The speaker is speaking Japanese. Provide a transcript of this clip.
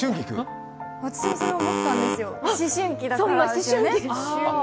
私もそう思ったんですよ、思春期だから。